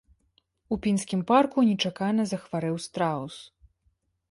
У пінскім парку нечакана захварэў страус.